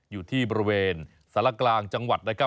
อยู่ที่บริเวณสารกลางจังหวัด